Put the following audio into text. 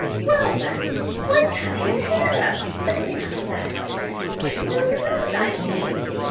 'Well, then, why canna you hear 'em? Listen at 'em now. D'you know the noise I mean?'